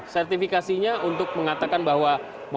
sertifikasinya untuk mengatakan bahwa